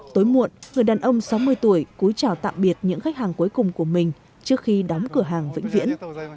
tối muộn người đàn ông sáu mươi tuổi cúi chào tạm biệt những khách hàng cuối cùng của mình trước khi đóng cửa hàng vĩnh viễn